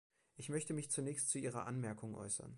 Ich möchte mich zunächst zu Ihrer Anmerkung äußern.